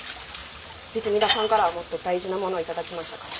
泉田さんからはもっと大事なものを頂きましたから。